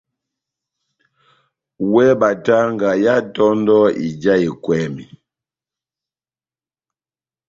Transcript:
Wɛ batanga yá tondò ija ekwɛmi.